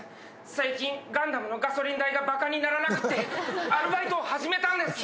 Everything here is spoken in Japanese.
最近ガンダムのガソリン代がバカにならなくてアルバイトを始めたんです